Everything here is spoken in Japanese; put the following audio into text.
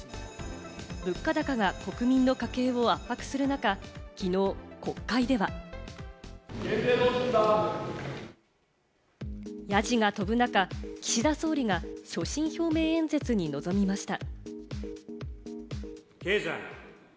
物価高が国民の家計を圧迫する中、きのう国会では。やじが飛ぶ中、岸田総理が所信表明演説に臨みました。